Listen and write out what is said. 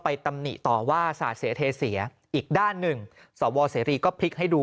ไปตำนิต่อว่าสาธิตเสียอีกด้านหนึ่งสวสรีก็พลิกให้ดู